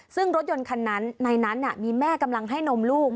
ซึ่งรถยนต์คันนั้นในนั้นมีแม่กำลังให้นมลูก